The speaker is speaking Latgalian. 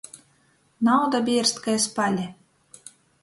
Nauda bierst kai spali.